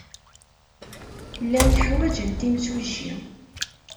Llant ḥwajent imsujji.